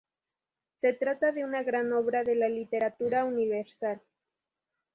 Se trata de una gran obra de la literatura universal.